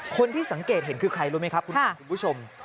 คนที่สังเกตเห็นคือใครรู้ไหมครับคุณขวัญคุณผู้ชม